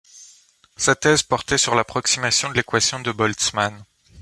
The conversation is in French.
Sa thèse portait sur l'approximation de l'équation de Boltzmann.